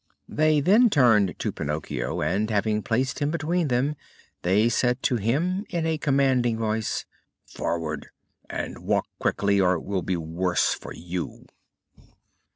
They then turned to Pinocchio and, having placed him between them, they said to him in a commanding voice: "Forward! and walk quickly, or it will be the worse for you."